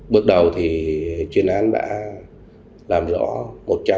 bước đầu thì chuyên án đã làm được